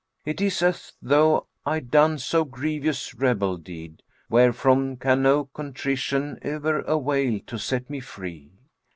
It is as though I'd done so grievous rebel deed * Wherefrom can no contrition e'er avail to set me free.